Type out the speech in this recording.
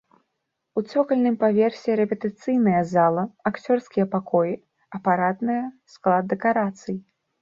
У цокальным паверсе рэпетыцыйная зала, акцёрскія пакоі, апаратная, склад дэкарацый.